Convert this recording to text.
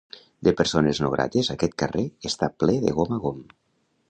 De persones no grates aquest carrer està ple de gom a gom.